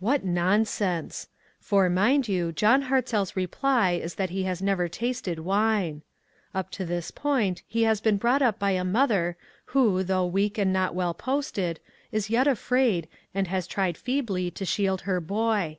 What nonsense ! For, mind you, John Hartzell's reply is that he has never tasted wine. Up to this point he has been brought up by a mother who, though weak and not well posted, is yet afraid, and has tried feebly to shield her boy.